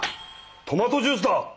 トマトジュースだ！